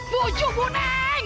bu juh bu neng